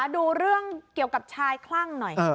ดูเรื่องเกี่ยวกับชายคลั่งหน่อย